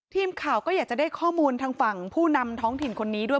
ทีมข่าวก็อยากจะได้ข้อมูลทางฝั่งผู้นำท้องถิ่นคนนี้ด้วย